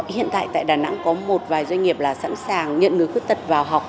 hiện tại tại đà nẵng có một vài doanh nghiệp là sẵn sàng nhận người khuyết tật vào học